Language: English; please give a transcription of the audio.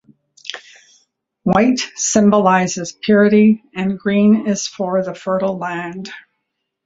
White symbolizes purity, and green is for the fertile land.